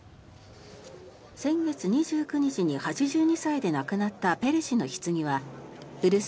先月２９日に８２歳で亡くなったペレ氏のひつぎは古巣